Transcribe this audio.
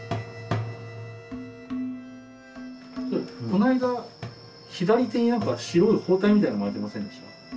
この間左手に何か白い包帯みたいなの巻いてませんでした？